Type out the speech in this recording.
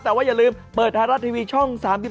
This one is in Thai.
แต่ว่าอย่าลืมเปิดไทยรัฐทีวีช่อง๓๒